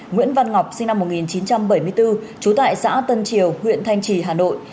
nguyễn văn ngọc sinh năm một nghìn chín trăm bảy mươi bốn trú tại xã tân triều huyện thanh trì hà nội